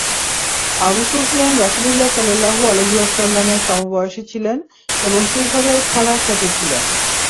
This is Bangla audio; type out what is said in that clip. আবু সুফিয়ান রাসূলুল্লাহ সাল্লাল্লাহু আলাইহি ওয়াসাল্লামের সমবয়সী ছিলেন এবং শৈশবের খেলার সাথী ছিলেন।